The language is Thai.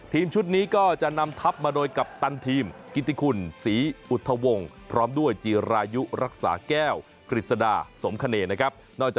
ทีมชุดนี้ก็จะนำทับมาโดยกัปตันทีมกิติคุณศรีอุทธวงศ์พร้อมด้วยจีรายุรักษาแก้วกฤษดาสมคเนนะครับ